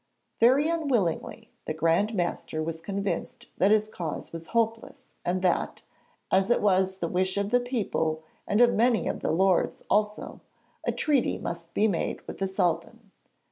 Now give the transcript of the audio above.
Very unwillingly the Grand Master was convinced that his cause was hopeless and that, as it was the wish of the people and of many of the lords also, a treaty must be made with the Sultan.